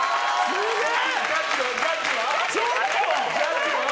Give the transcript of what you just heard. すげえ！